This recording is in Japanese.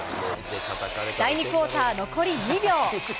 第２クオーター残り２秒。